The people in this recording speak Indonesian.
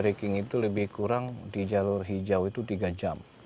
breaking itu lebih kurang di jalur hijau itu tiga jam